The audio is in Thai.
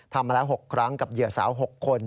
มาแล้ว๖ครั้งกับเหยื่อสาว๖คน